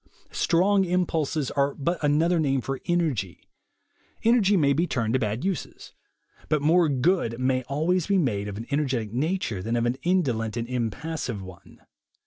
Strong impulses are but another name for energy. Energy may be turned to bad uses; but more good may always be made of an energetic nature, than of an indolent and impassive one.